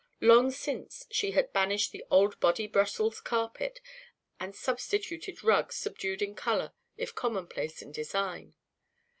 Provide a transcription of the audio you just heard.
Long since she had banished the old "body brussels" carpet and substituted rugs subdued in colour if commonplace in design.